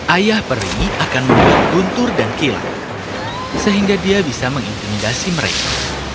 ayah peri akan membuat guntur dan kilat sehingga dia bisa mengintimidasi mereka